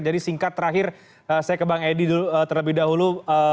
jadi singkat terakhir saya ke bang edi terlebih dahulu